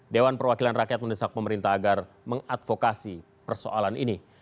dewan perwakilan rakyat mendesak pemerintah agar mengadvokasi persoalan ini